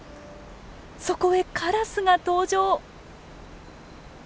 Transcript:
そこへカラスが登場。